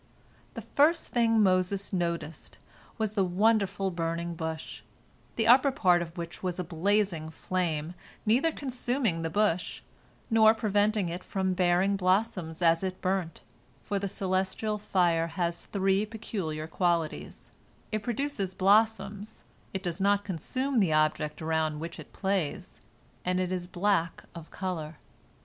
The first thing Moses noticed was the wonderful burning bush, the upper part of which was a blazing flame, neither consuming the bush, nor preventing it from bearing blossoms as it burnt, for the celestial fire has three peculiar qualities: it produces blossoms, it does not consume the object around which it plays, and it is black of color.